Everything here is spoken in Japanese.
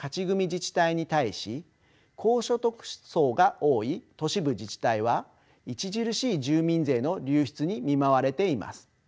自治体に対し高所得層が多い都市部自治体は著しい住民税の流出に見舞われています。